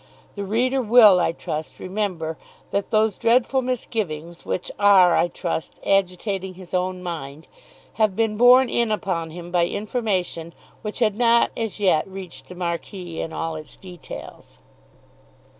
The reader will, I trust, remember that those dreadful misgivings, which are I trust agitating his own mind, have been borne in upon him by information which had not as yet reached the Marquis in all its details.